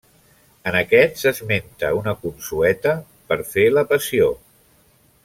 En aquest s'esmenta una consueta per fer la Passió.